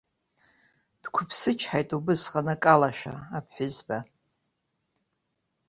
Дқәыԥсычҳаит убысҟан акалашәа аԥҳәызба.